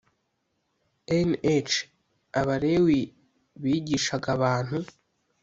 Nh Abalewi bigishaga abantu